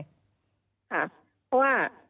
ค่ะเพราะว่า